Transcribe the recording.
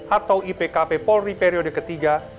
atau ipkp polri periode ketiga